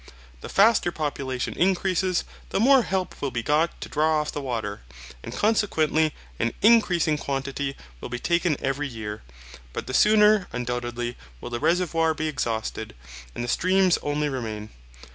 The faster population increases, the more help will be got to draw off the water, and consequently an increasing quantity will be taken every year. But the sooner, undoubtedly, will the reservoir be exhausted, and the streams only remain.